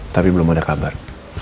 tapi belum ada kabar